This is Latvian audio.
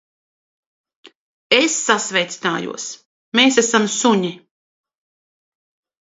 Es sasveicinājos. Mēs esam suņi.